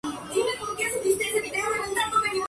En la actualidad, Kramer vive en Manhattan y Connecticut.